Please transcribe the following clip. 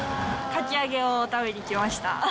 かき揚げを食べに来ました。